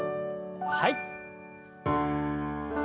はい。